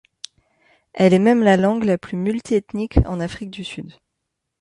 Elle est même la langue la plus multiethnique en Afrique du Sud.